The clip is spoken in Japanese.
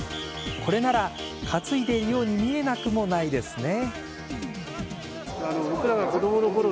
これなら担いでいるように見えなくもないですね。